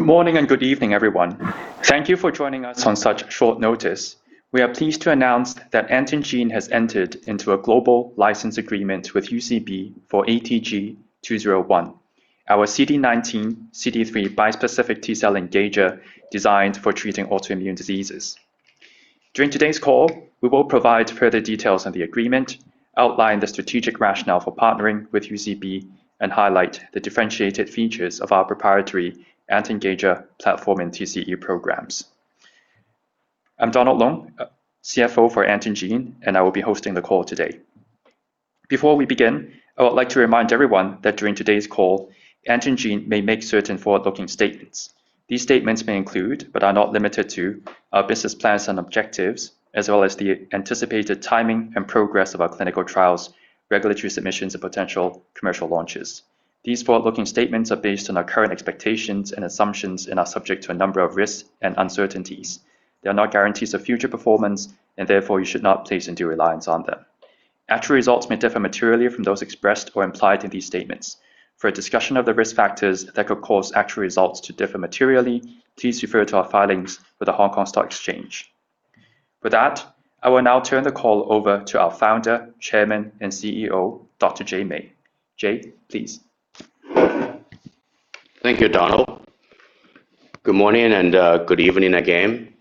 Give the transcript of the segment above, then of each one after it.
Good morning and good evening, everyone. Thank Thank you for joining us on such short notice. We are pleased to announce that Antengene has entered into a global license agreement with UCB for ATG-201, our CD19/CD3 bispecific T-cell engager designed for treating autoimmune diseases. During today's call, we will provide further details on the agreement, outline the strategic rationale for partnering with UCB, and highlight the differentiated features of our proprietary AnTenGager platform and TCE programs. I'm Donald Lung, CFO for Antengene, and I will be hosting the call today. Before we begin, I would like to remind everyone that during today's call, Antengene may make certain forward-looking statements. These statements may include, but are not limited to, our business plans and objectives, as well as the anticipated timing and progress of our clinical trials, regulatory submissions, and potential commercial launches. These forward-looking statements are based on our current expectations and assumptions and are subject to a number of risks and uncertainties. They are not guarantees of future performance, and therefore you should not place undue reliance on them. Actual results may differ materially from those expressed or implied in these statements. For a discussion of the risk factors that could cause actual results to differ materially, please refer to our filings with the Hong Kong Stock Exchange. I will now turn the call over to our Founder, Chairman, and CEO, Dr. Jay Mei. Jay, please. Thank you, Donald. Good morning and good evening again.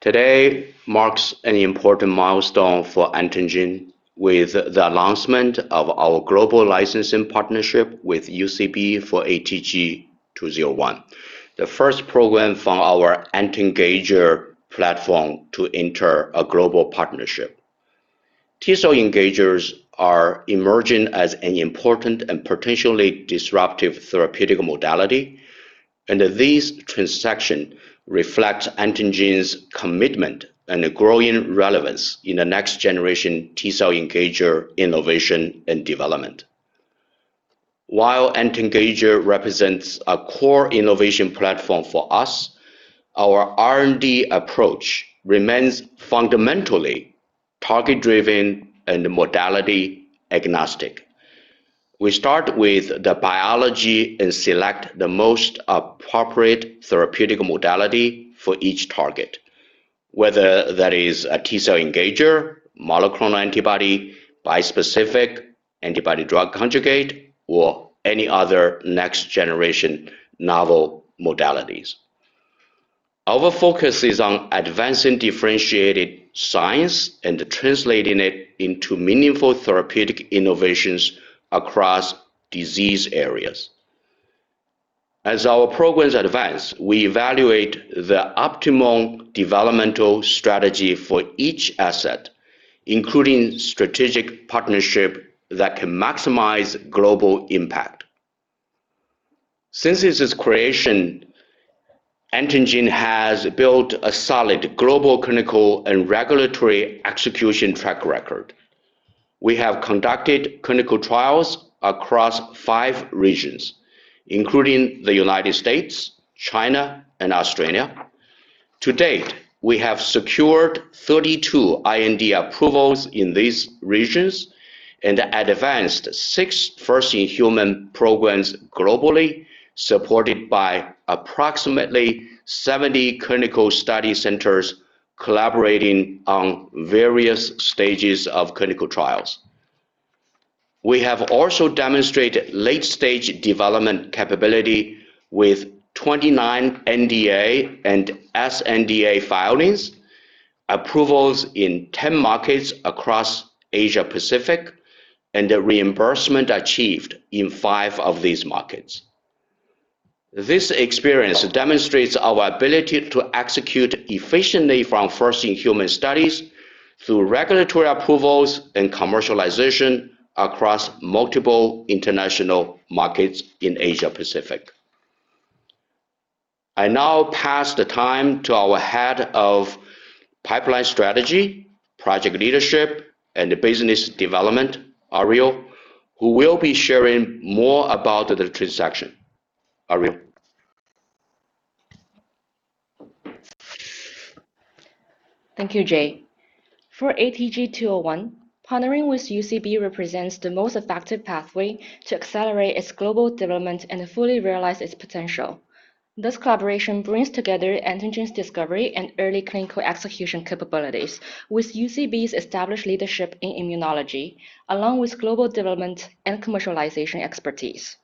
Today marks an important milestone for Antengene with the announcement of our global licensing partnership with UCB for ATG-201, the first program from our AnTenGager platform to enter a global partnership. T-cell engagers are emerging as an important and potentially disruptive therapeutic modality, and this transaction reflects Antengene's commitment and growing relevance in the next-generation T-cell engager innovation and development. While AnTenGager represents a core innovation platform for us, our R&D approach remains fundamentally target-driven and modality-agnostic. We start with the biology and select the most appropriate therapeutic modality for each target, whether that is a T-cell engager, monoclonal antibody, bispecific antibody-drug conjugate, or any other next-generation novel modalities. Our focus is on advancing differentiated science and translating it into meaningful therapeutic innovations across disease areas. As our programs advance, we evaluate the optimal developmental strategy for each asset, including strategic partnership that can maximize global impact. Since its creation, Antengene has built a solid global clinical and regulatory execution track record. We have conducted clinical trials across 5 regions, including the United States, China, and Australia. To date, we have secured 32 IND approvals in these regions and advanced 6 first-in-human programs globally, supported by approximately 70 clinical study centers collaborating on various stages of clinical trials. We have also demonstrated late-stage development capability with 29 NDA and sNDA filings, approvals in 10 markets across Asia-Pacific, and the reimbursement achieved in 5 of these markets. This experience demonstrates our ability to execute efficiently from first-in-human studies through regulatory approvals and commercialization across multiple international markets in Asia-Pacific. I now pass the time to our Head of Pipeline Strategy, Project Leadership, and Business Development, Ariel, who will be sharing more about the transaction. Ariel. Thank you, Jay. For ATG-201, partnering with UCB represents the most effective pathway to accelerate its global development and fully realize its potential. This collaboration brings together Antengene's discovery and early clinical execution capabilities with UCB's established leadership in immunology, along with global development and commercialization expertise.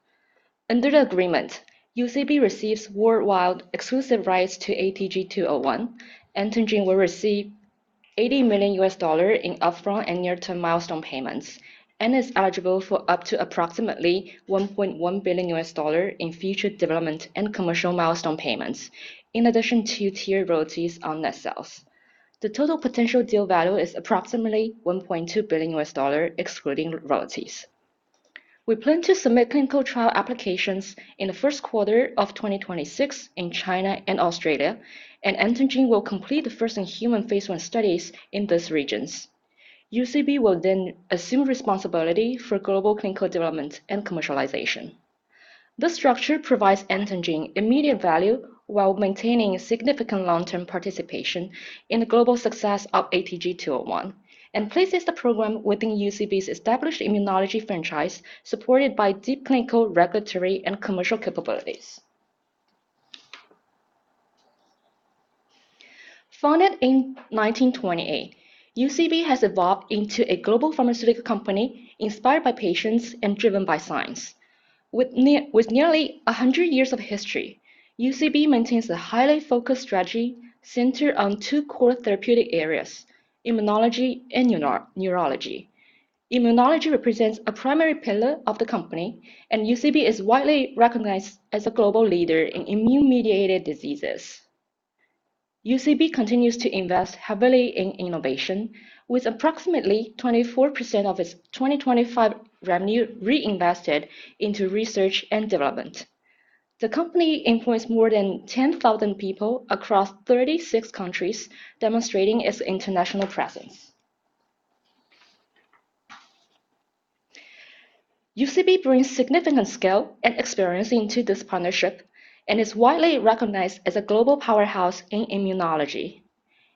Under the agreement, UCB receives worldwide exclusive rights to ATG-201. Antengene will receive $80 million in upfront and near-term milestone payments and is eligible for up to approximately $1.1 billion in future development and commercial milestone payments, in addition to tier royalties on net sales. The total potential deal value is approximately $1.2 billion, excluding royalties. We plan to submit clinical trial applications in the first quarter of 2026 in China and Australia, and Antengene will complete the first-in-human phase I studies in those regions. UCB will assume responsibility for global clinical development and commercialization. This structure provides Antengene immediate value while maintaining significant long-term participation in the global success of ATG-201 and places the program within UCB's established immunology franchise, supported by deep clinical, regulatory, and commercial capabilities. Founded in 1928, UCB has evolved into a global pharmaceutical company inspired by patients and driven by science. With nearly 100 years of history, UCB maintains a highly focused strategy centered on two core therapeutic areas: immunology and neurology. Immunology represents a primary pillar of the company, UCB is widely recognized as a global leader in immune-mediated diseases. UCB continues to invest heavily in innovation with approximately 24% of its 2025 revenue reinvested into research and development. The company employs more than 10,000 people across 36 countries, demonstrating its international presence. UCB brings significant scale and experience into this partnership and is widely recognized as a global powerhouse in immunology.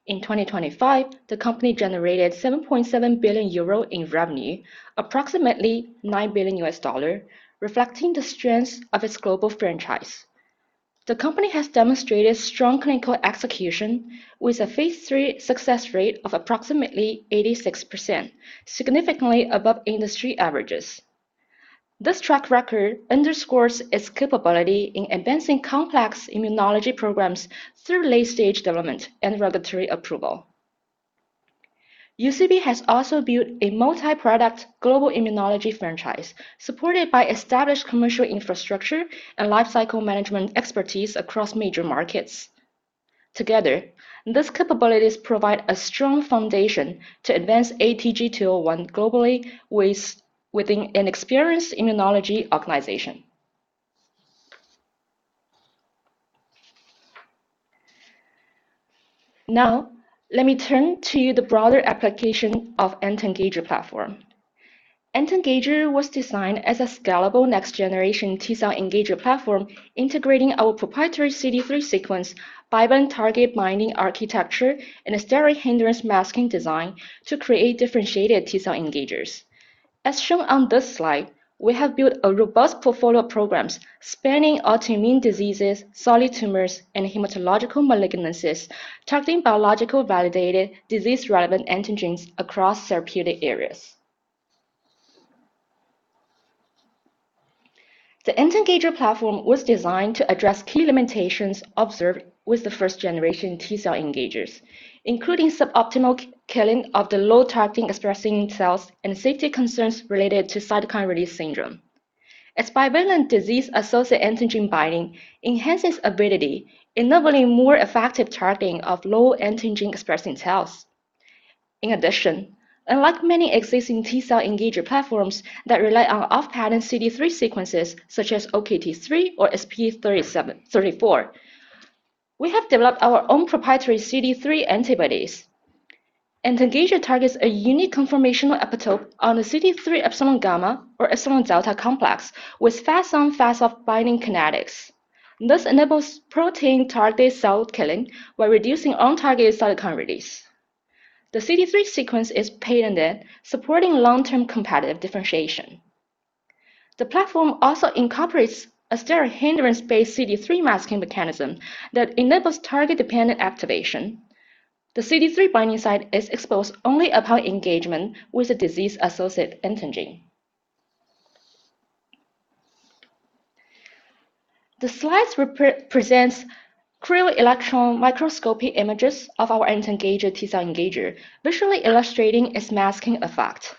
In 2025, the company generated 7.7 billion euro in revenue, approximately $9 billion, reflecting the strength of its global franchise. The company has demonstrated strong clinical execution with a phase III success rate of approximately 86%, significantly above industry averages. This track record underscores its capability in advancing complex immunology programs through late-stage development and regulatory approval. UCB has also built a multi-product global immunology franchise supported by established commercial infrastructure and lifecycle management expertise across major markets. Together, these capabilities provide a strong foundation to advance ATG-201 globally within an experienced immunology organization. Let me turn to the broader application of AnTenGager platform. AnTenGager was designed as a scalable next generation T-cell engager platform, integrating our proprietary CD3 sequence, bivalent target mining architecture, and a steric hindrance masking design to create differentiated T-cell engagers. As shown on this slide, we have built a robust portfolio of programs spanning autoimmune diseases, solid tumors, and hematological malignancies, targeting biological validated disease-relevant antigens across therapeutic areas. The AnTenGager platform was designed to address key limitations observed with the first-generation T-cell engagers, including suboptimal killing of the low targeting expressing cells and safety concerns related to cytokine release syndrome. Its bivalent disease-associated antigen binding enhances ability, enabling more effective targeting of low antigen-expressing cells. Unlike many existing T-cell engager platforms that rely on off-patent CD3 sequences such as OKT3 or SP34, we have developed our own proprietary CD3 antibodies. AnTenGager targets a unique conformational epitope on the CD3 epsilon gamma or epsilon delta complex with fast on/fast off binding kinetics. This enables potent target cell killing while reducing on-target cytokine release. The CD3 sequence is patented, supporting long-term competitive differentiation. The platform also incorporates a steric hindrance-based CD3 masking mechanism that enables target-dependent activation. The CD3 binding site is exposed only upon engagement with a disease-associated antigen. The slides presents cryo-electron microscopy images of our AnTenGager T-cell engager, visually illustrating its masking effect.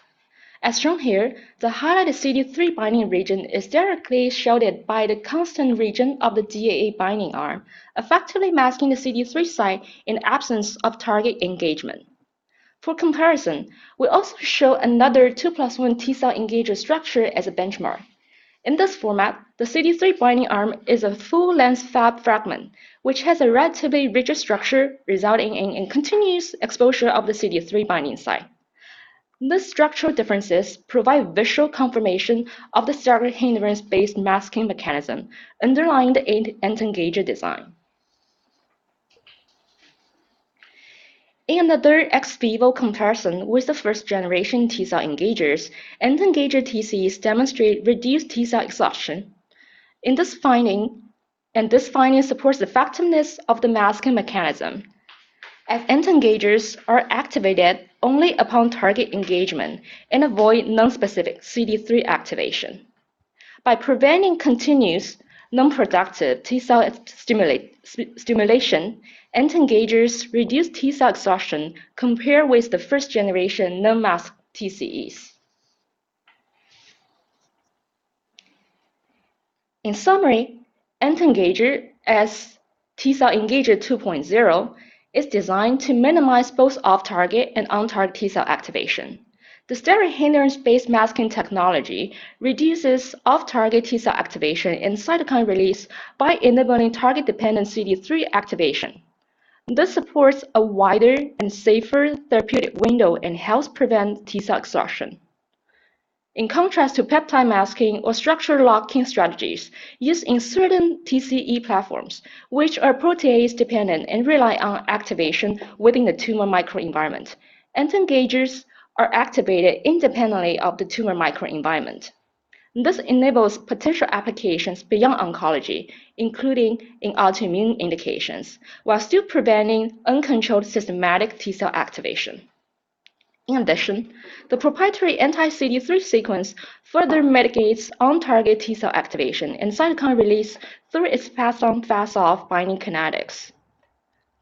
As shown here, the highlighted CD3 binding region is directly shielded by the constant region of the DAA binding arm, effectively masking the CD3 site in absence of target engagement. For comparison, we also show another 2+1 T-cell engager structure as a benchmark. In this format, the CD3 binding arm is a full-length Fab fragment, which has a relatively rigid structure, resulting in a continuous exposure of the CD3 binding site. These structural differences provide visual confirmation of the steric hindrance-based masking mechanism underlying the AnTenGager design. In another ex vivo comparison with the first-generation T-cell engagers, AnTenGager TCEs demonstrate reduced T-cell exhaustion. This finding supports the effectiveness of the masking mechanism, as AnTenGagers are activated only upon target engagement and avoid non-specific CD3 activation. By preventing continuous non-productive T-cell stimulation, AnTenGagers reduce T-cell exhaustion compared with the first-generation non-masked TCEs. In summary, AnTenGager as T-cell engager 2.0 is designed to minimize both off-target and on-target T-cell activation. The steric hindrance-based masking technology reduces off-target T-cell activation and cytokine release by enabling target-dependent CD3 activation. This supports a wider and safer therapeutic window and helps prevent T-cell exhaustion. In contrast to peptide masking or structure locking strategies used in certain TCE platforms, which are protease dependent and rely on activation within the tumor microenvironment, AnTenGagers are activated independently of the tumor microenvironment. This enables potential applications beyond oncology, including in autoimmune indications, while still preventing uncontrolled systematic T-cell activation. In addition, the proprietary anti-CD3 sequence further mitigates on-target T-cell activation and cytokine release through its fast on, fast off binding kinetics.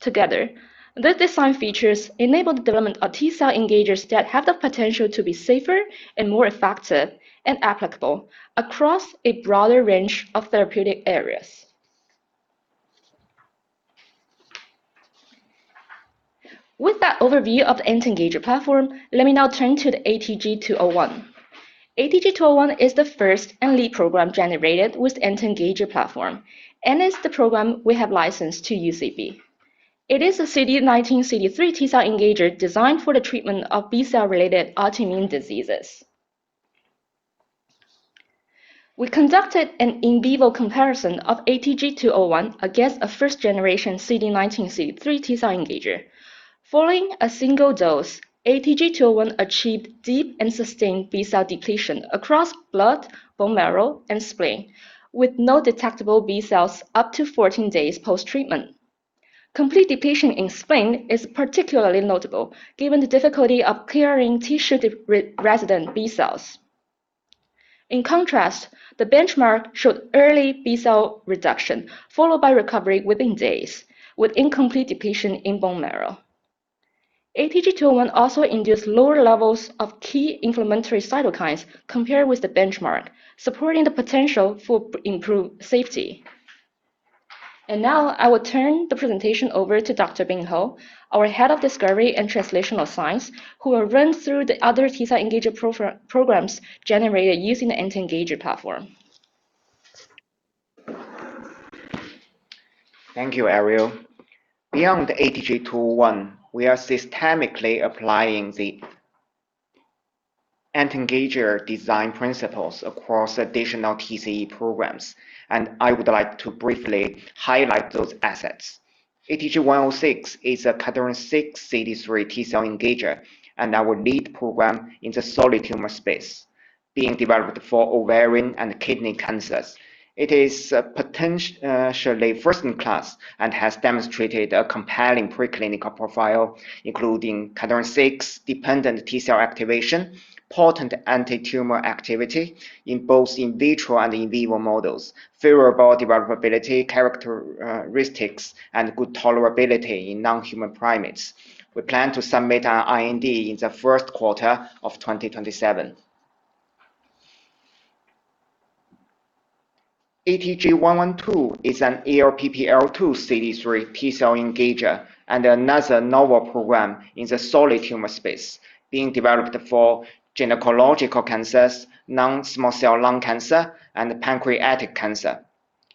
Together, the design features enable the development of T-cell engagers that have the potential to be safer and more effective and applicable across a broader range of therapeutic areas. With that overview of the AnTenGager platform, let me now turn to the ATG-201. ATG-201 is the first and lead program generated with AnTenGager platform, and is the program we have licensed to UCB. It is a CD19/CD3 T-cell engager designed for the treatment of B-cell related autoimmune diseases. We conducted an in vivo comparison of ATG-201 against a first-generation CD19/CD3 T-cell engager. Following a single dose, ATG-201 achieved deep and sustained B-cell depletion across blood, bone marrow, and spleen, with no detectable B-cells up to 14 days post-treatment. Complete depletion in spleen is particularly notable given the difficulty of clearing tissue-resident B-cells. In contrast, the benchmark showed early B-cell reduction, followed by recovery within days, with incomplete depletion in bone marrow. ATG-201 also induced lower levels of key inflammatory cytokines compared with the benchmark, supporting the potential for improved safety. Now I will turn the presentation over to Dr. Bing Hou, our Head of Discovery and Translational Science, who will run through the other T-cell engager programs generated using the AnTenGager platform. Thank you, Ariel. Beyond the ATG-201, we are systemically applying the AnTenGager design principles across additional TCE programs. I would like to briefly highlight those assets. ATG-106 is a cadherin-6 CD3 T-cell engager and our lead program in the solid tumor space being developed for ovarian and kidney cancers. It is potentially first-in-class and has demonstrated a compelling preclinical profile, including cadherin-6-dependent T-cell activation, potent antitumor activity in both in vitro and in vivo models, favorable developability characteristics, and good tolerability in non-human primates. We plan to submit our IND in the first quarter of 2027. ATG-112 is an ALPPL2 CD3 T-cell engager and another novel program in the solid tumor space being developed for gynecological cancers, non-small cell lung cancer, and pancreatic cancer.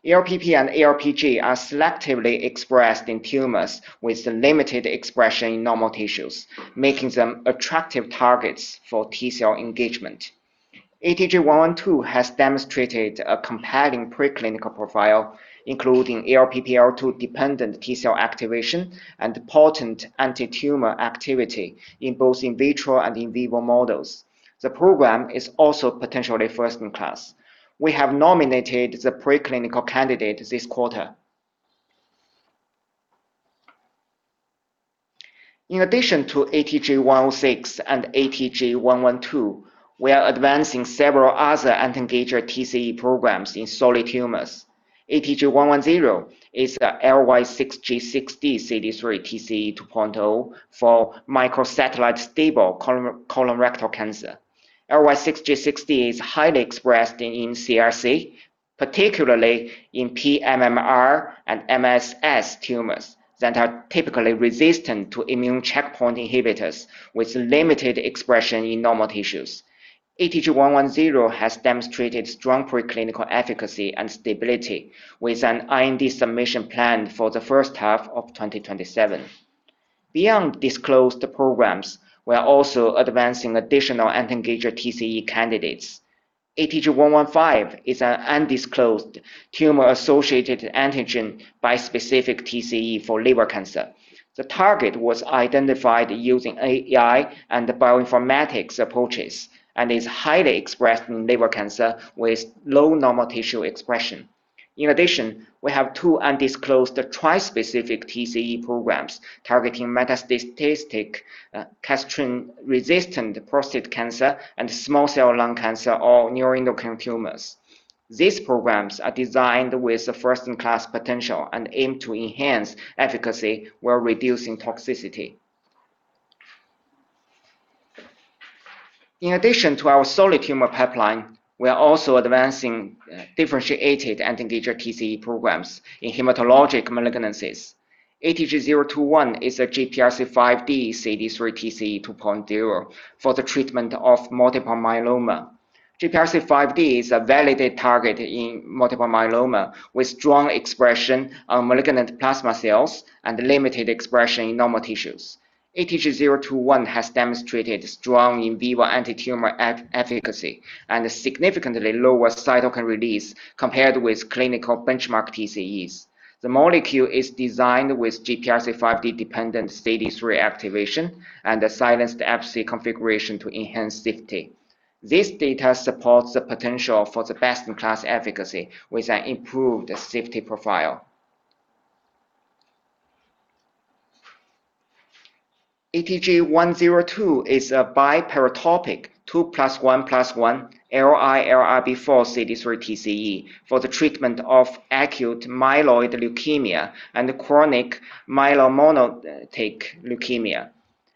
ALPP and ALPG are selectively expressed in tumors with limited expression in normal tissues, making them attractive targets for T cell engagement. ATG-112 has demonstrated a compelling preclinical profile, including ALPPL2-dependent T cell activation and potent antitumor activity in both in vitro and in vivo models. The program is also potentially first-in-class. We have nominated the preclinical candidate this quarter. In addition to ATG-106 and ATG-112, we are advancing several other AnTenGager TCE programs in solid tumors. ATG-110 is a LY6G6D CD3 TCE 2.0 for microsatellite stable colorectal cancer. LY6G6D is highly expressed in CRC, particularly in pMMR and MSS tumors that are typically resistant to immune checkpoint inhibitors with limited expression in normal tissues. ATG-110 has demonstrated strong preclinical efficacy and stability with an IND submission planned for the first half of 2027. Beyond disclosed programs, we are also advancing additional AnTenGager TCE candidates. ATG-115 is an undisclosed tumor-associated antigen bispecific TCE for liver cancer. The target was identified using AI and bioinformatics approaches and is highly expressed in liver cancer with low normal tissue expression. In addition, we have two undisclosed tri-specific TCE programs targeting metastatic castration-resistant prostate cancer and small cell lung cancer or neuroendocrine tumors. These programs are designed with the first-in-class potential and aim to enhance efficacy while reducing toxicity. In addition to our solid tumor pipeline, we are also advancing differentiated AnTenGager TCE programs in hematologic malignancies. ATG-021 is a GPRC5D CD3 TCE 2.0 for the treatment of multiple myeloma. GPRC5D is a validated target in multiple myeloma with strong expression on malignant plasma cells and limited expression in normal tissues. ATG-021 has demonstrated strong in vivo antitumor efficacy and significantly lower cytokine release compared with clinical benchmark TCEs. The molecule is designed with GPRC5D-dependent CD3 activation and a silenced Fc configuration to enhance safety. This data supports the potential for the best-in-class efficacy with an improved safety profile. ATG-102 is a biparatopic 2+1+1 LILRB4 CD3 TCE for the treatment of acute myeloid leukemia and chronic myelomonocytic leukemia.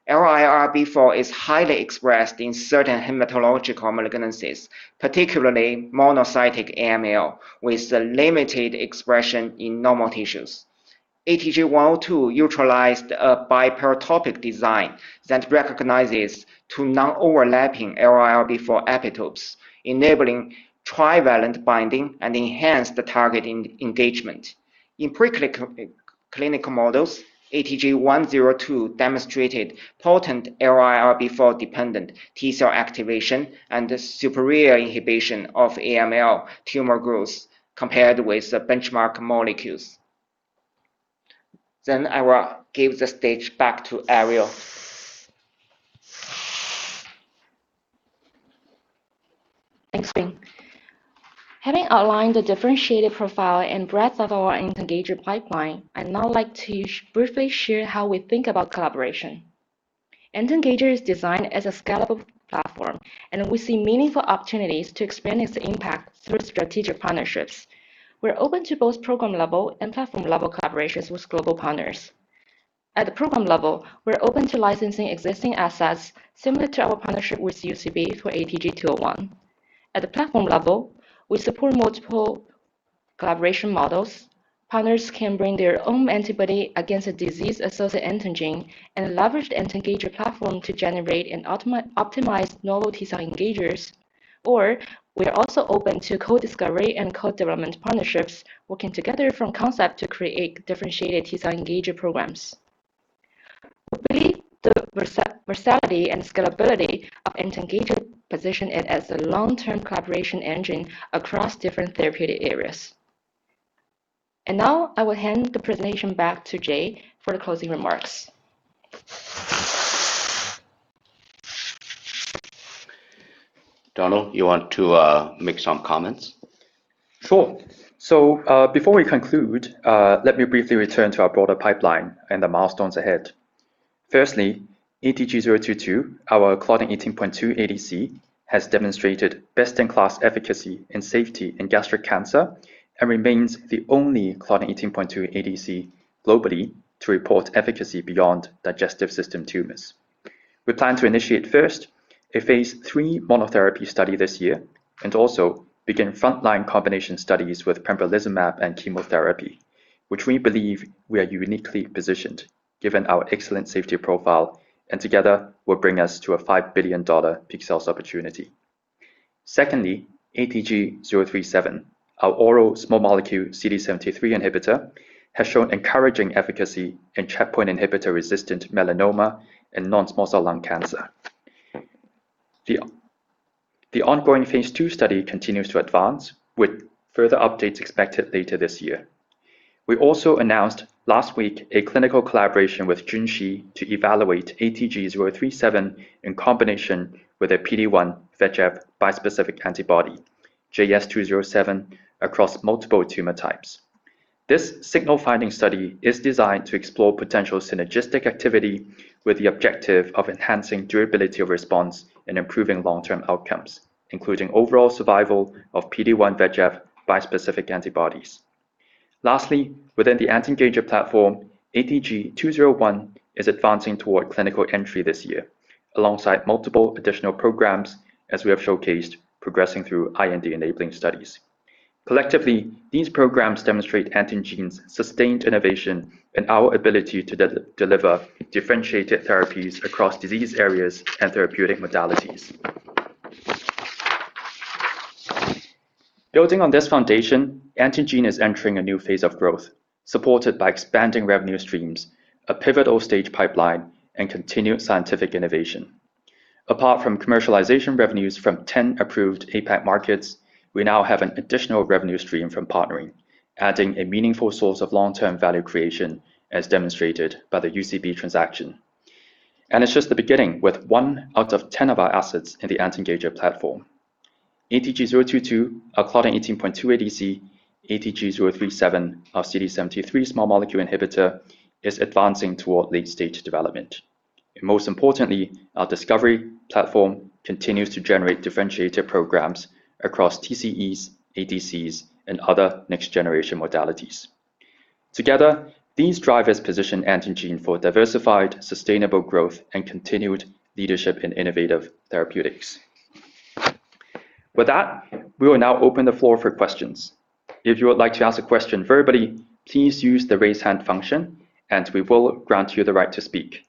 LILRB4 is highly expressed in certain hematological malignancies, particularly monocytic AML, with a limited expression in normal tissues. ATG-102 utilized a biparatopic design that recognizes two non-overlapping LILRB4 epitopes, enabling trivalent binding and enhanced targeting engagement. In preclinical models, ATG-102 demonstrated potent LILRB4-dependent T-cell activation and superior inhibition of AML tumor growth compared with the benchmark molecules. I will give the stage back to Ariel. Thanks, Bing. Having outlined the differentiated profile and breadth of our AnTenGager pipeline, I'd now like to briefly share how we think about collaboration. AnTenGager is designed as a scalable platform, we see meaningful opportunities to expand its impact through strategic partnerships. We're open to both program-level and platform-level collaborations with global partners. At the program level, we're open to licensing existing assets similar to our partnership with UCB for ATG-201. At the platform level, we support multiple collaboration models. Partners can bring their own antibody against a disease-associated antigen and leverage the AnTenGager platform to generate and optimized novel T-cell engagers. we are also open to co-discovery and co-development partnerships, working together from concept to create differentiated T-cell engager programs. We believe the versatility and scalability of AnTenGager position it as a long-term collaboration engine across different therapeutic areas. Now I will hand the presentation back to Jay Mei for the closing remarks. Donald, you want to make some comments? Sure. Let me briefly return to our broader pipeline and the milestones ahead. Firstly, ATG-022, our Claudin 18.2 ADC, has demonstrated best-in-class efficacy and safety in gastric cancer and remains the only Claudin 18.2 ADC globally to report efficacy beyond digestive system tumors. We plan to initiate first a phase III monotherapy study this year and also begin frontline combination studies with pembrolizumab and chemotherapy, which we believe we are uniquely positioned given our excellent safety profile, and together will bring us to a $5 billion peak sales opportunity. Secondly, ATG-037, our oral small molecule CD73 inhibitor, has shown encouraging efficacy in checkpoint inhibitor-resistant melanoma and non-small cell lung cancer. The ongoing phase II study continues to advance, with further updates expected later this year. We also announced last week a clinical collaboration with Junshi to evaluate ATG-037 in combination with a PD-1 VEGF bispecific antibody, JS207, across multiple tumor types. This signal finding study is designed to explore potential synergistic activity with the objective of enhancing durability of response and improving long-term outcomes, including overall survival of PD-1 VEGF bispecific antibodies. Within the Engager platform, ATG-201 is advancing toward clinical entry this year, alongside multiple additional programs as we have showcased progressing through IND-enabling studies. Collectively, these programs demonstrate Antengene's sustained innovation and our ability to deliver differentiated therapies across disease areas and therapeutic modalities. Building on this foundation, Antengene is entering a new phase of growth, supported by expanding revenue streams, a pivotal stage pipeline, and continued scientific innovation. Apart from commercialization revenues from 10 approved APAC markets, we now have an additional revenue stream from partnering, adding a meaningful source of long-term value creation, as demonstrated by the UCB transaction. It's just the beginning, with one out of 10 of our assets in the AnTenGager platform. ATG-022, our Claudin 18.2 ADC, ATG-037, our CD73 small molecule inhibitor, is advancing toward late-stage development. Most importantly, our discovery platform continues to generate differentiated programs across TCEs, ADCs, and other next-generation modalities. Together, these drivers position Antengene for diversified, sustainable growth and continued leadership in innovative therapeutics. With that, we will now open the floor for questions. If you would like to ask a question verbally, please use the raise hand function, and we will grant you the right to speak.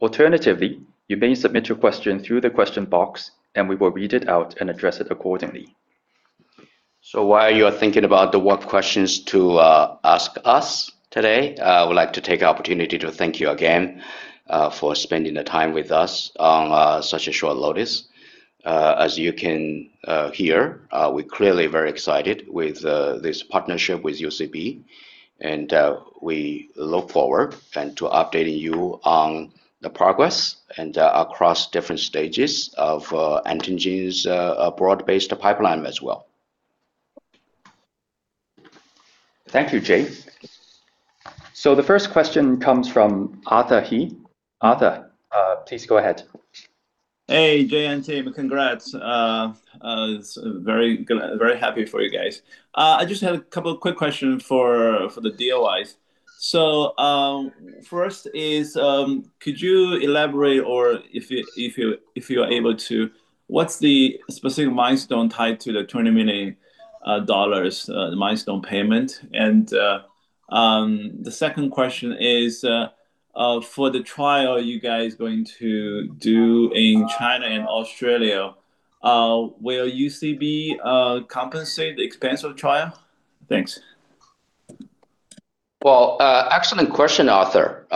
Alternatively, you may submit your question through the question box. We will read it out and address it accordingly. While you are thinking about what questions to ask us today, I would like to take the opportunity to thank you again for spending the time with us on such a short notice. As you can hear, we're clearly very excited with this partnership with UCB, and we look forward to updating you on the progress across different stages of Antengene's broad-based pipeline as well. Thank you, Jay. The first question comes from Arthur He. Arthur, please go ahead. Hey, Jay and team. Congrats. It's very happy for you guys. I just had a couple quick question for the DOIs. First is, could you elaborate, or if you are able to, what's the specific milestone tied to the $20 million milestone payment? The second question is, for the trial you guys going to do in China and Australia, will UCB compensate the expense of trial? Thanks. Excellent question, Arthur.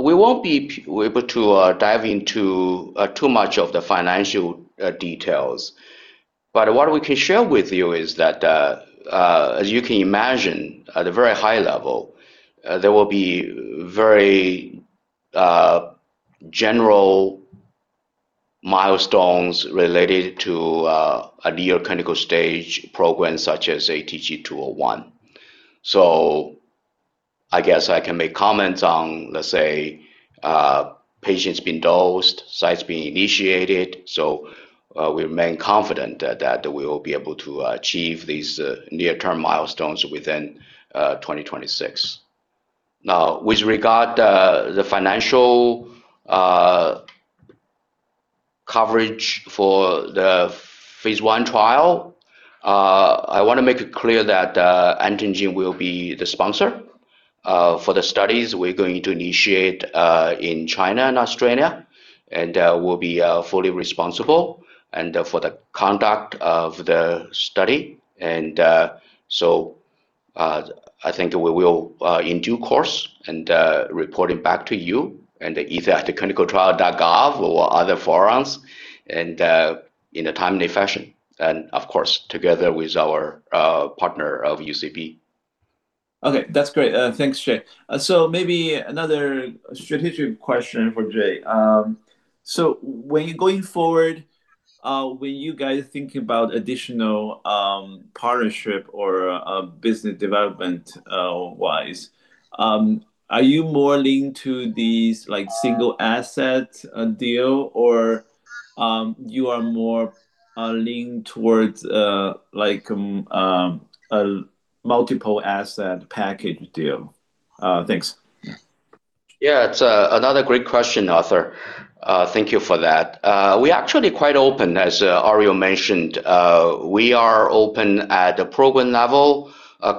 We won't be able to dive into too much of the financial details, but what we can share with you is that, as you can imagine, at a very high level, there will be very general milestones related to a near clinical stage program such as ATG-201. I guess I can make comments on, let's say, patients being dosed, sites being initiated. We remain confident that we will be able to achieve these near-term milestones within 2026. Now, with regard the financial coverage for the phase I trial, I wanna make it clear that Antengene will be the sponsor for the studies we're going to initiate in China and Australia, and we'll be fully responsible and for the conduct of the study. So, I think we will in due course and reporting back to you and either at the ClinicalTrials.gov or other forums and in a timely fashion and of course, together with our partner of UCB. Okay. That's great. Thanks, Jay. Maybe another strategic question for Jay. When you're going forward, when you guys are thinking about additional partnership or business development wise, are you more leaned to these like single asset deal or you are more leaned towards like a multiple asset package deal? Thanks. Yeah, it's another great question, Arthur. Thank you for that. We're actually quite open, as Ariel mentioned. We are open at the program level,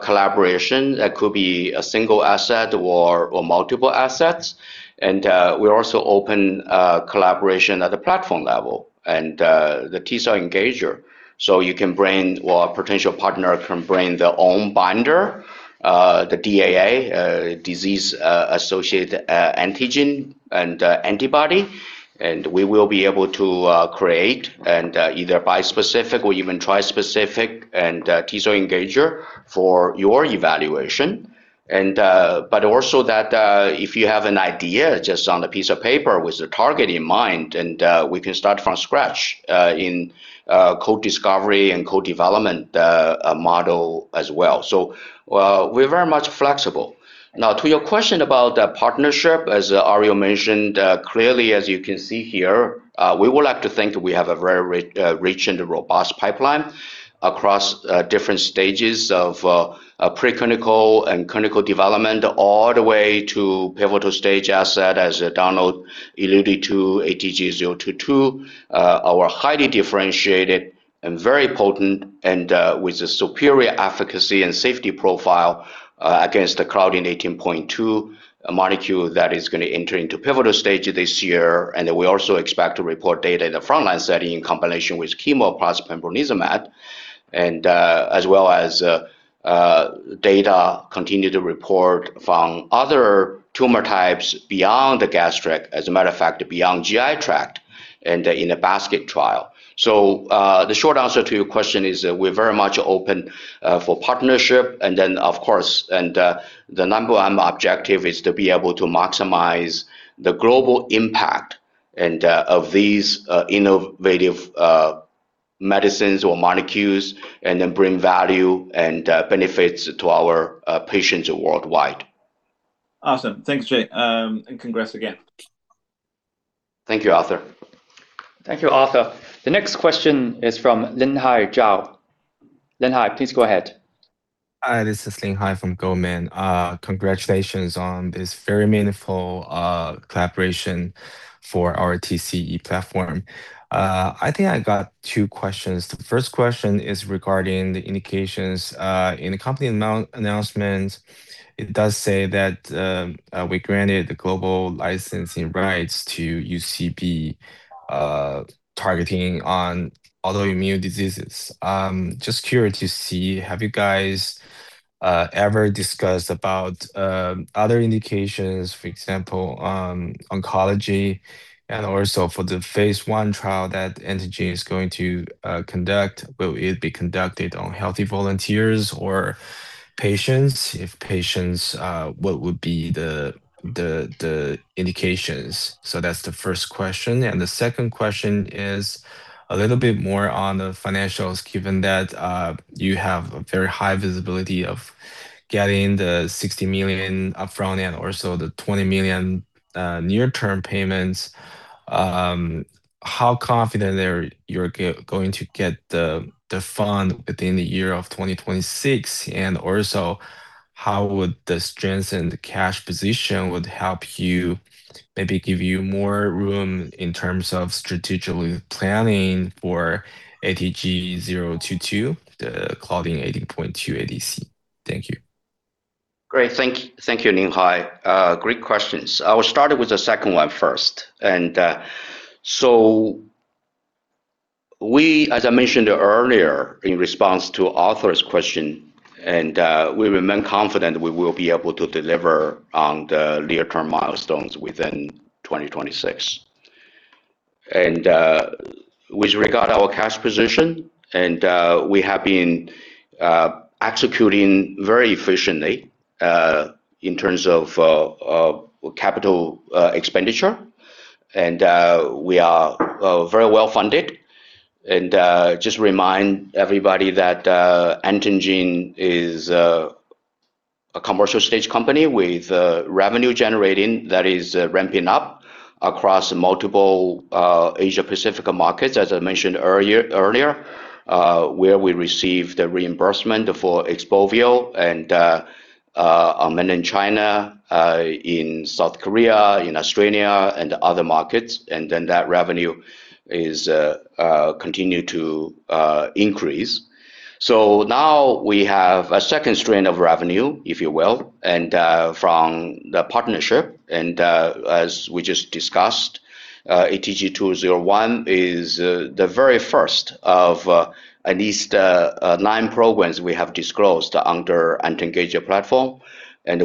collaboration. That could be a single asset or multiple assets. We're also open, collaboration at the platform level and the T-cell engager. You can bring, well, a potential partner can bring their own binder, the DAA, disease-associated antigen and antibody, and we will be able to create either bispecific or even trispecific and T-cell engager for your evaluation. But also that, if you have an idea just on a piece of paper with a target in mind, and we can start from scratch in co-discovery and co-development model as well. We're very much flexible. Now, to your question about the partnership, as Ariel mentioned, clearly, as you can see here, we would like to think we have a very rich and robust pipeline across different stages of preclinical and clinical development all the way to pivotal stage asset, as Donald alluded to ATG-022. Our highly differentiated and very potent and with a superior efficacy and safety profile against the Claudin 18.2, a molecule that is gonna enter into pivotal stage this year. We also expect to report data in the frontline setting in combination with chemo plus pembrolizumab as well as data continue to report from other tumor types beyond the gastric, as a matter of fact, beyond GI tract and in a basket trial. The short answer to your question is, we're very much open for partnership and then of course, and the number one objective is to be able to maximize the global impact of these innovative medicines or molecules and then bring value and benefits to our patients worldwide. Awesome. Thanks, Jay. Congrats again. Thank you, Arthur. Thank you, Arthur. The next question is from Linhai Zhao. Linhai, please go ahead. Hi, this is Linhai from Goldman. Congratulations on this very meaningful collaboration for RTCE platform. I think I got two questions. The first question is regarding the indications. In the company announcement, it does say that we granted the global licensing rights to UCB, targeting on autoimmune diseases. Just curious to see, have you guys ever discussed about other indications, for example, oncology? For the phase I trial that Antengene is going to conduct, will it be conducted on healthy volunteers or patients, if patients, what would be the indications? That's the first question. The second question is a little bit more on the financials, given that you have a very high visibility of getting the $60 million up front and also the $20 million near-term payments, how confident are you going to get the fund within the year of 2026? Also, how would the strengths and the cash position would help you maybe give you more room in terms of strategically planning for ATG-022, the Claudin 18.2 ADC? Thank you. Great. Thank you, Linhai. Great questions. I will start with the second one first. We, as I mentioned earlier in response to Arthur's question, we remain confident we will be able to deliver on the near-term milestones within 2026. With regard our cash position, we have been executing very efficiently in terms of capital expenditure. We are very well-funded. Just remind everybody that Antengene is a commercial stage company with revenue generating that is ramping up across multiple Asia Pacific markets, as I mentioned earlier, where we received the reimbursement for XPOVIO in mainland China, in South Korea, in Australia and other markets. That revenue is continue to increase. Now we have a second stream of revenue, if you will, and from the partnership. As we just discussed, ATG-201 is the very first of at least nine programs we have disclosed under AnTenGager platform.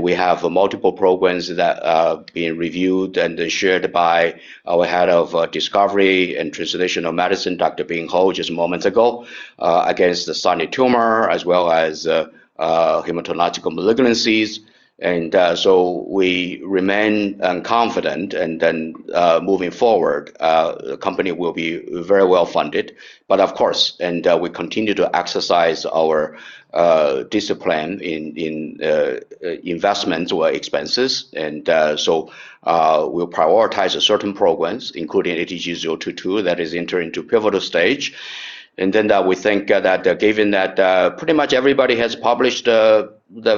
We have multiple programs that are being reviewed and shared by our head of discovery and translational medicine, Dr. Bing Hou, just moments ago, against the solid tumor as well as hematological malignancies. We remain confident and then moving forward, the company will be very well-funded. But of course, and we continue to exercise our discipline in investment or expenses. We'll prioritize certain programs, including ATG-022 that is entering into pivotal stage. We think that given that pretty much everybody has published the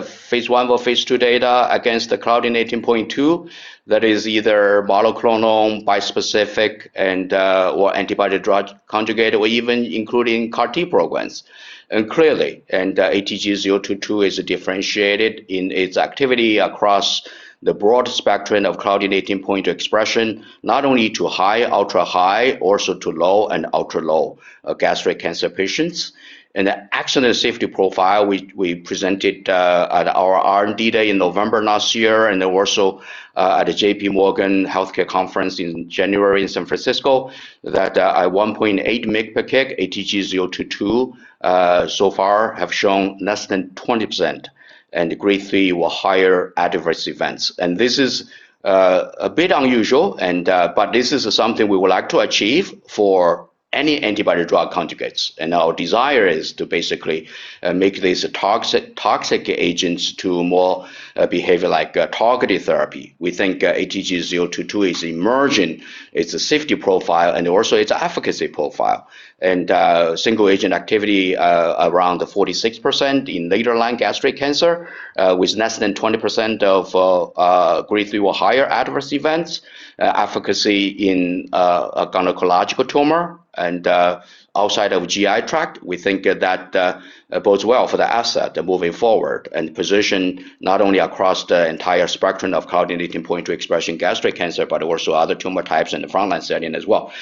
phase I or phase II data against the Claudin 18.2, that is either monoclonal, bispecific or antibody-drug conjugate or even including CAR-T programs. ATG-022 is differentiated in its activity across the broad spectrum of Claudin 18.2 expression, not only to high, ultra high, also to low and ultra low gastric cancer patients. The excellent safety profile we presented at our R&D day in November last year, at the J.P. Morgan Healthcare Conference in January in San Francisco, at 1.8 mg/kg, ATG-022 so far have shown less than 20% and grade 3 or higher adverse events. This is a bit unusual, but this is something we would like to achieve for any antibody-drug conjugates. Our desire is to basically make these toxic agents to more behave like a targeted therapy. We think ATG-022 is emerging its safety profile and also its efficacy profile. Single agent activity around the 46% in later line gastric cancer with less than 20% of grade 3 or higher adverse events, efficacy in a gynecologic tumor. Outside of GI tract, we think that bodes well for the asset moving forward and position not only across the entire spectrum of Claudin 18.2 expression gastric cancer, but also other tumor types in the frontline setting as well.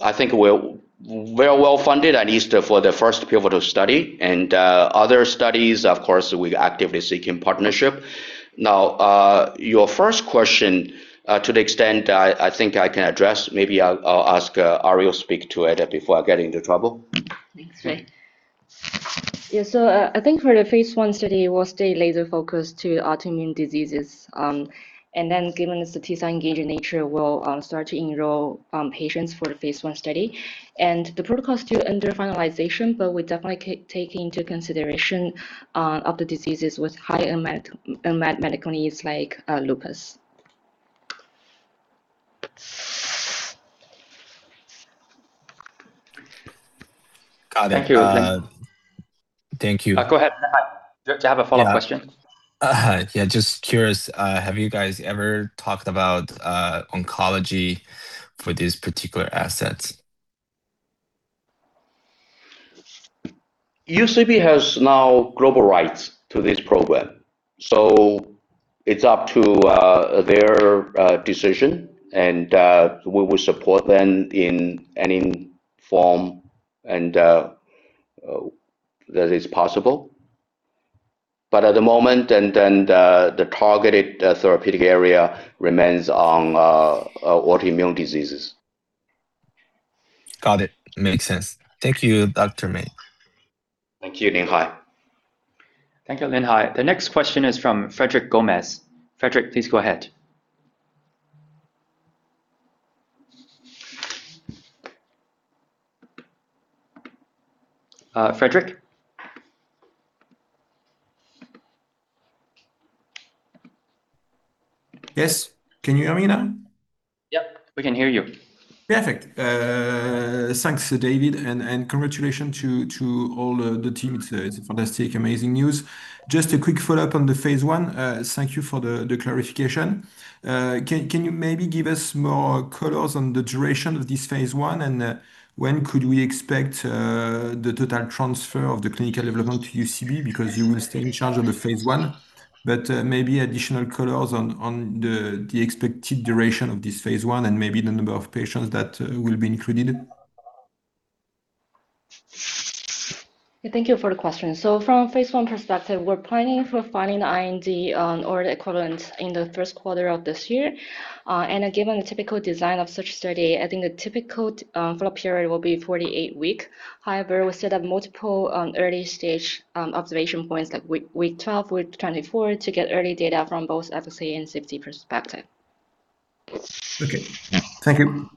I think we're very well-funded at least for the first pivotal study and, other studies, of course, we're actively seeking partnership. Your first question, to the extent, I think I can address, maybe I'll ask Ariel speak to it before I get into trouble. Thanks, Jay. Yeah. I think for the phase I study, we'll stay laser focused to autoimmune diseases. Given it's the T-cell engaging nature, we'll start to enroll patients for the phase I study. The protocol is still under finalization, but we definitely take into consideration other diseases with high unmet medical needs like lupus. Got it. Thank you. Thank you. Go ahead. Do you have a follow-up question? Yeah. Yeah, just curious, have you guys ever talked about oncology for this particular asset? UCB has now global rights to this program. It's up to their decision, and we will support them in any form and that is possible. At the moment and the targeted therapeutic area remains on autoimmune diseases. Got it. Makes sense. Thank you, Dr. Mei. Thank you, Linhai. Thank you, Linhai. The next question is from Frederick Gomez. Frederick, please go ahead. Frederick? Yes. Can you hear me now? Yep, we can hear you. Perfect. Thanks, Donald, and congratulations to all the team. It's a fantastic, amazing news. Just a quick follow-up on the phase I. Thank you for the clarification. Can you maybe give us more colors on the duration of this phase I, and when could we expect the total transfer of the clinical development to UCB because you will stay in charge of the phase I? Maybe additional colors on the expected duration of this phase I and maybe the number of patients that will be included? Thank you for the question. From a phase I perspective, we're planning for filing the IND on order equivalent in the first quarter of this year. Given the typical design of such study, I think a typical follow-up period will be 48 week. However, we set up multiple early stage observation points like week 12, week 24 to get early data from both efficacy and safety perspective. Okay. Thank you.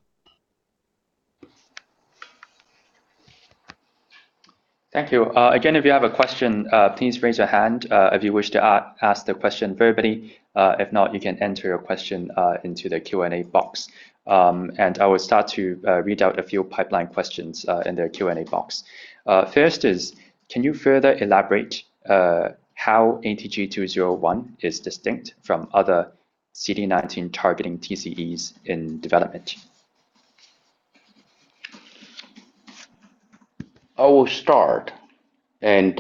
Thank you. Again, if you have a question, please raise your hand, if you wish to ask the question verbally. If not, you can enter your question into the Q&A box. I will start to read out a few pipeline questions in the Q&A box. First is, can you further elaborate how ATG-201 is distinct from other CD19 targeting TCEs in development? I will start. Pretty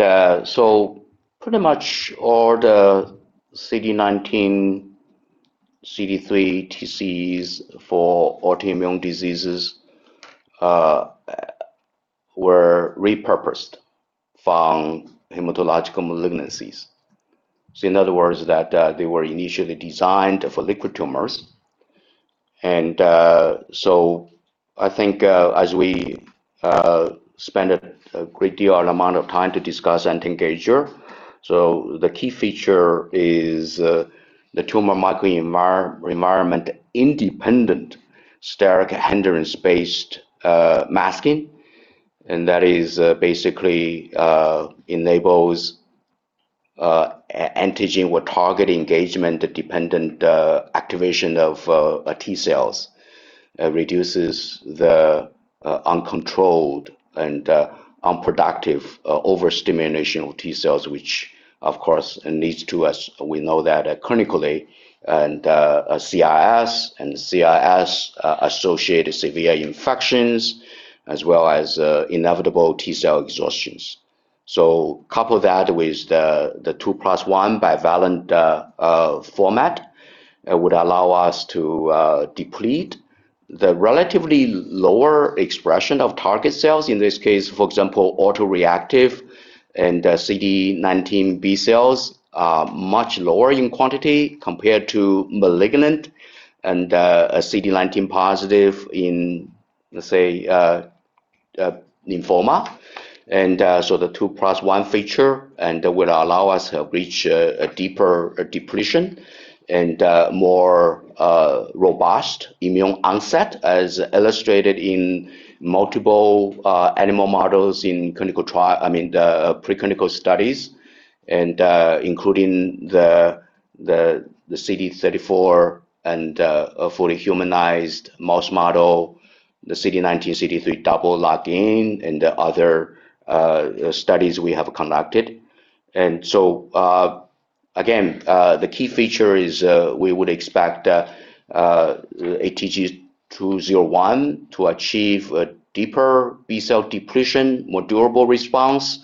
much all the CD19/CD3 TCEs for autoimmune diseases were repurposed from hematological malignancies. In other words that, they were initially designed for liquid tumors. I think as we spend a great deal amount of time to discuss AnTenGager, the key feature is the tumor microenvironment independent steric hindrance-masking. That is basically enables antigen with target engagement dependent activation of T-cells, reduces the uncontrolled and unproductive overstimulation of T-cells, which of course leads to, as we know that clinically, CRS and CRS associated severe infections as well as inevitable T-cell exhaustions. Couple that with the 2+1 bivalent format would allow us to deplete the relatively lower expression of target cells. In this case, for example, autoreactive and CD19 B-cells are much lower in quantity compared to malignant and a CD19-positive in, let's say, lymphoma. The 2+1 feature and will allow us to reach a deeper depletion and more robust immune onset as illustrated in multiple animal models in clinical trial. I mean, the preclinical studies and including the CD34 and a fully humanized mouse model, the CD19/CD3 double knockin, and the other studies we have conducted. Again, the key feature is, we would expect ATG-201 to achieve a deeper B-cell depletion, more durable response,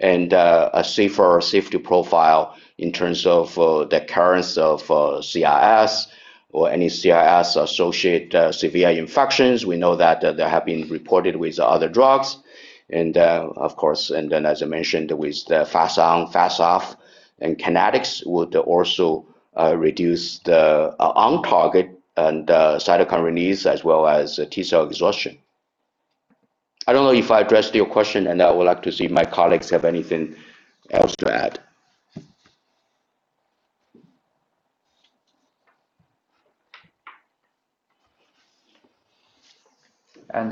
and a safer safety profile in terms of the occurrence of CRS or any CRS-associated severe infections. We know that they have been reported with other drugs. Of course, as I mentioned with the fast on, fast off and kinetics would also reduce the on target and cytokine release as well as T-cell exhaustion. I don't know if I addressed your question, and I would like to see if my colleagues have anything else to add.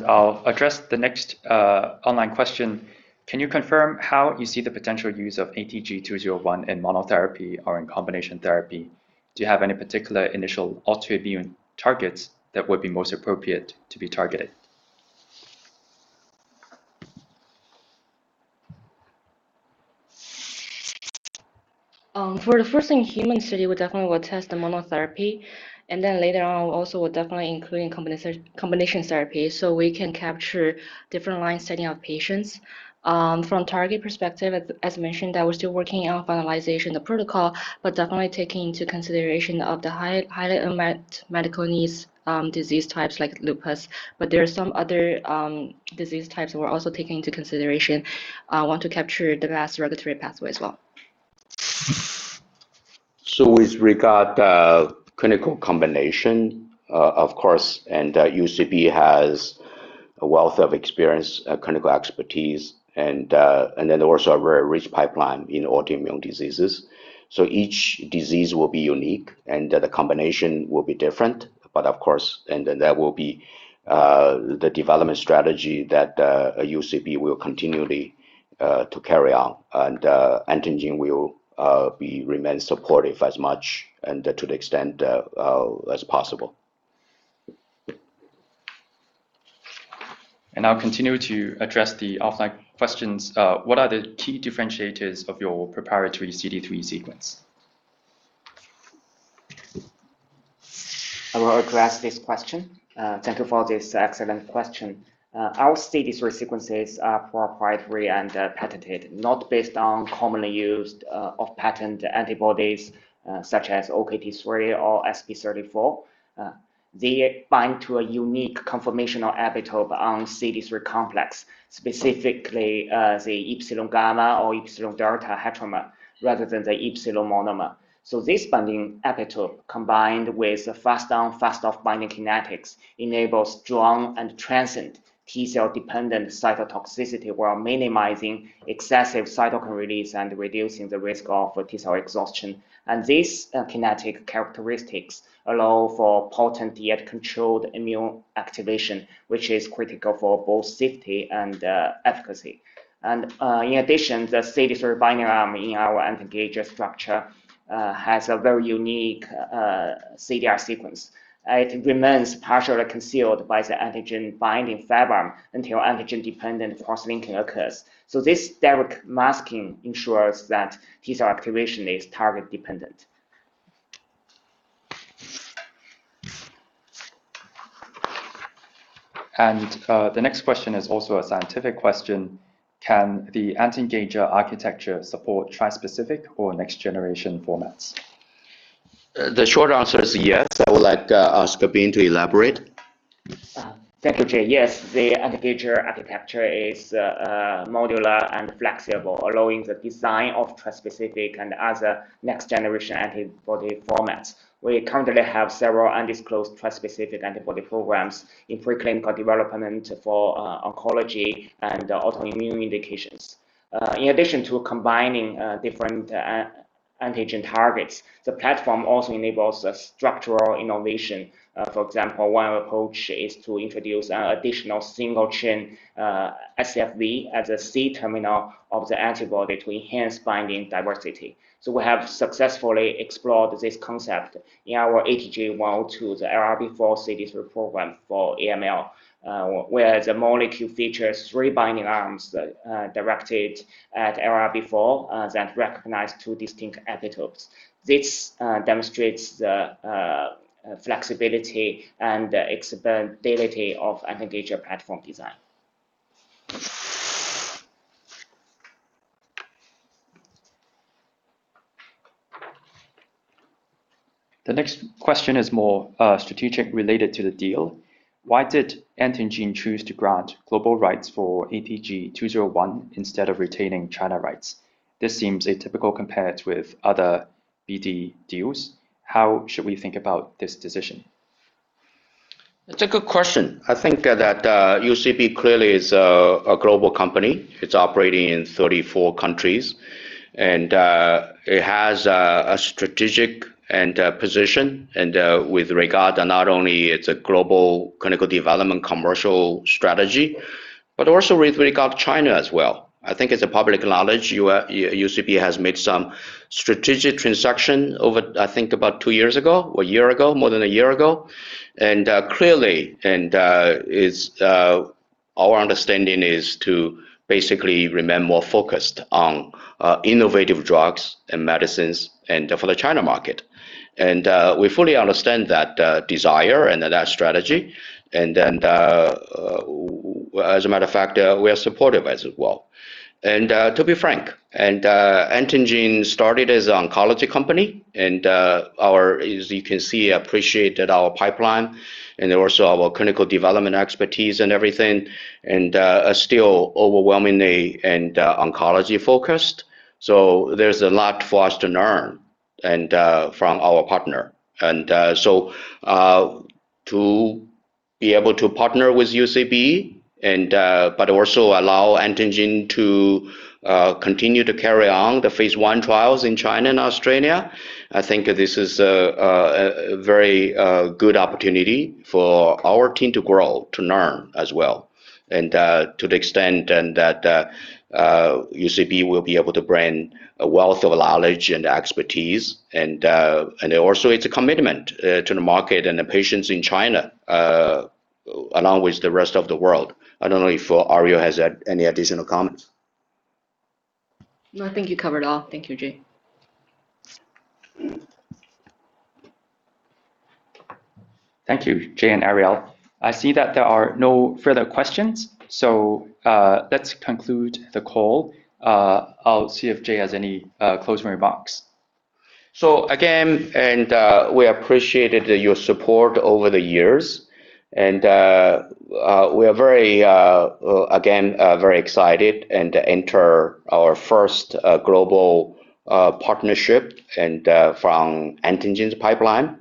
I'll address the next online question. Can you confirm how you see the potential use of ATG-201 in monotherapy or in combination therapy? Do you have any particular initial autoimmune targets that would be most appropriate to be targeted? For the first-in-human study, we definitely will test the monotherapy, later on, we also will definitely include combination therapy so we can capture different line setting of patients. From target perspective, as mentioned, we're still working on finalization the protocol, definitely taking into consideration of the unmet medical needs, disease types like lupus. There are some other, disease types we're also taking into consideration, want to capture the vast regulatory pathway as well. With regard, clinical combination, of course, and UCB has a wealth of experience, clinical expertise and then also a very rich pipeline in autoimmune diseases. Each disease will be unique and the combination will be different. Of course, and then that will be, the development strategy that UCB will continually to carry on. Antengene will be remain supportive as much and to the extent as possible. I'll continue to address the offline questions. What are the key differentiators of your proprietary CD3 sequence? I will address this question. Thank you for this excellent question. Our CD3 sequences are proprietary and patented, not based on commonly used of patent antibodies, such as OKT3 or SP34. They bind to a unique conformational epitope on CD3 complex, specifically, the epsilon gamma or epsilon delta heteromer rather than the epsilon monomer. This binding epitope, combined with fast on, fast off binding kinetics, enables strong and transient T-cell dependent cytotoxicity while minimizing excessive cytokine release and reducing the risk of T-cell exhaustion. This kinetic characteristics allow for potent yet controlled immune activation, which is critical for both safety and efficacy. In addition, the CD3 binding arm in our antigen structure has a very unique CDR sequence. It remains partially concealed by the antigen binding Fab arm until antigen dependent cross-linking occurs. This direct masking ensures that T-cell activation is target dependent. The next question is also a scientific question. Can the Antengene architecture support trispecific or next-generation formats? The short answer is yes. I would like ask Bing to elaborate. Yes, the Antengene architecture is modular and flexible, allowing the design of trispecific and other next-generation antibody formats. We currently have several undisclosed trispecific antibody programs in preclinical development for oncology and autoimmune indications. In addition to combining different Antengene targets, the platform also enables a structural innovation. For example, one approach is to introduce an additional single chain scFv at the C-terminal of the antibody to enhance binding diversity. We have successfully explored this concept in our ATG-102, the LILRB4 CD3 program for AML, where the molecule features three binding arms that directed at LILRB4 that recognize two distinct epitopes. This demonstrates the flexibility and expandability of Antengene platform design The next question is more strategic related to the deal. Why did Antengene choose to grant global rights for ATG-201 instead of retaining China rights? This seems atypical compared with other BD deals. How should we think about this decision? It's a good question. I think that UCB clearly is a global company. It's operating in 34 countries, it has a strategic position with regard to not only its global clinical development commercial strategy, but also with regard to China as well. I think it's public knowledge UCB has made some strategic transaction over I think about two years ago or one year ago, more than one year ago. Clearly, our understanding is to basically remain more focused on innovative drugs and medicines for the China market. We fully understand that desire and that strategy. As a matter of fact, we are supportive as well. To be frank, Antengene started as oncology company, our, as you can see, appreciated our pipeline and also our clinical development expertise and everything, are still overwhelmingly oncology-focused. There's a lot for us to learn from our partner. To be able to partner with UCB but also allow Antengene to continue to carry on the phase I trials in China and Australia, I think this is a very good opportunity for our team to grow, to learn as well. To the extent and that UCB will be able to bring a wealth of knowledge and expertise, and also it's a commitment to the market and the patients in China, along with the rest of the world. I don't know if Ariel has any additional comments. No, I think you covered all. Thank you, Jay. Thank you, Jay and Ariel. I see that there are no further questions. Let's conclude the call. I'll see if Jay has any closing remarks. Again, we appreciated your support over the years. We are very again, very excited to enter our first global partnership from Antengene's pipeline.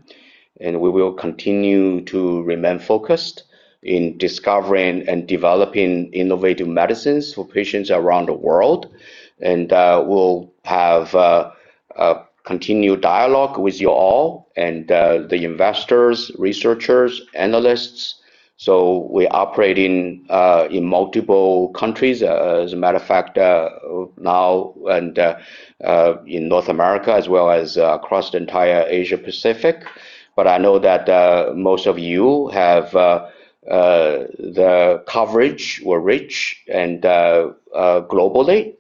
We will continue to remain focused in discovering and developing innovative medicines for patients around the world. We'll have continued dialogue with you all and the investors, researchers, analysts. We operate in multiple countries. As a matter of fact, now in North America as well as across the entire Asia-Pacific. I know that most of you have the coverage or reach globally,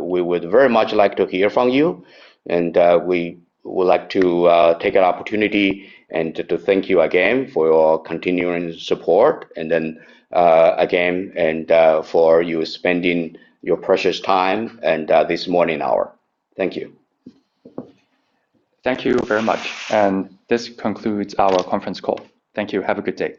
we would very much like to hear from you. We would like to take an opportunity and to thank you again for your continuing support. again and, for you spending your precious time and, this morning hour. Thank you. Thank you very much. This concludes our conference call. Thank you. Have a good day.